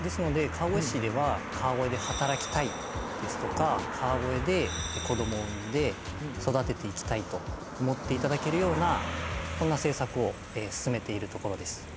ですので川越市では川越で働きたいですとか川越で子どもを産んで育てていきたいと思っていただけるようなそんな政策を進めているところです。